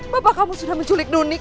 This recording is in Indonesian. bapak kamu sudah menculik doni